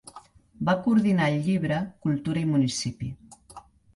Va coordinar el llibre Cultura i municipi.